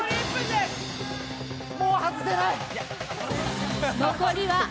もう外せない。